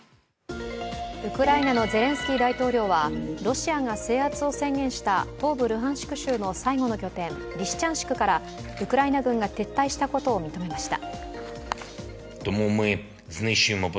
ウクライナのゼレンスキー大統領はロシアが制圧を宣言した東部ルハンシク州の最後の拠点、リシチャンシクからウクライナ軍が撤退したことを認めました。